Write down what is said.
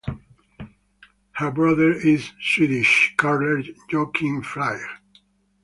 Her brother is Swedish curler Joakim Flyg.